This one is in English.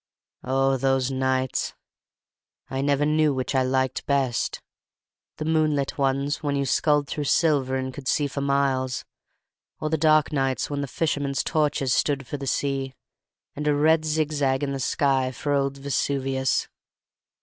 Oh, those nights! I never knew which I liked best, the moonlit ones when you sculled through silver and could see for miles, or the dark nights when the fishermen's torches stood for the sea, and a red zig zag in the sky for old Vesuvius.